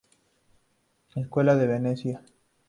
Escuela de Venecia